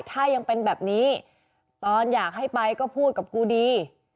ถ้ายังเป็นแบบนี้ตอนอยากให้ไปก็พูดกับกูดี